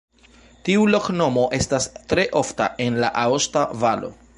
Tiu loknomo estas tre ofta en la Aosta Valo.